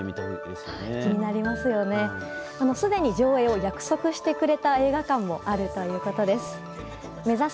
すでに上映を約束してくれた映画館もあるということです。